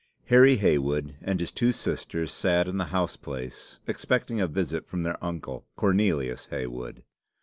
Harry Heywood and his two sisters sat in the house place, expecting a visit from their uncle, Cornelius Heywood.